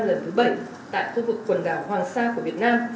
lần thứ bảy tại khu vực quần đảo hoàng sa của việt nam